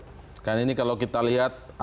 sekarang ini kalau kita lihat